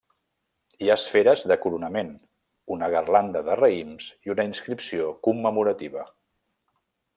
Hi ha esferes de coronament, una garlanda de raïms i una inscripció commemorativa.